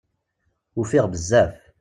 Ufiɣ bezzaf.